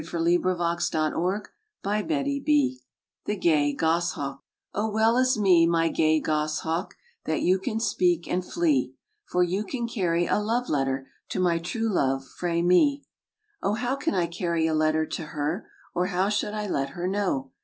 William Wordsworth 177] RAINBOW GOLD THE GAY GOS HAWK "O WELL is me, my gay gos hawk, That you can speak and flee; For you can carry a love letter To my true love frae me." *'O how can I carry a letter to her, Or how should I her know?